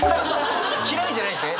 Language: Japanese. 嫌いじゃないんですね！